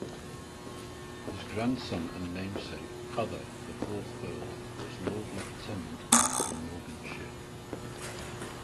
His grandson and namesake, Other, the fourth Earl, was Lord Lieutenant of Glamorganshire.